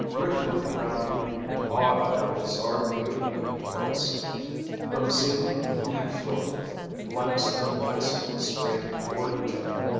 Rick looked around him, awed by the bizarre beauty of the place. From ceiling and floor limestone icicles strained toward each other.